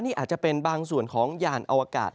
นี่อาจจะเป็นบางส่วนของยานอวกาศ